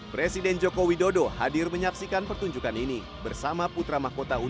presiden joko widodo hadir menyaksikan pertunjukan ini bersama putra mahkota